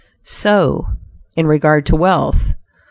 So in regard to wealth.